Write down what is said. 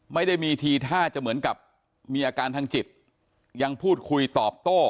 ไม่ได้มีทีท่าจะเหมือนกับมีอาการทางจิตยังพูดคุยตอบโต้